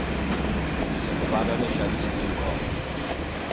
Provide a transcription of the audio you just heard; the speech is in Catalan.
És el pare de Janice Lincoln.